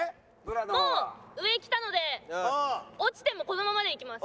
もう上着たので落ちてもこのままでいきます。